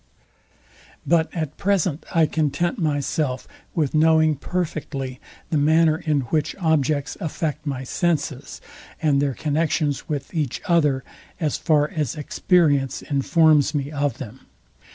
But at present I content myself with knowing perfectly the manner in which objects affect my senses, and their connections with each other, as far as experience informs me of them.